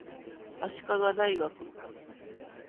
足利大学